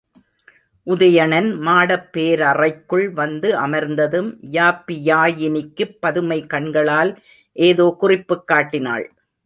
உதயணன் மாடப் பேரறைக்குள் வந்து அமர்ந்ததும், யாப்பியாயினிக்குப் பதுமை கண்களால் ஏதோ குறிப்புக் காட்டினாள்.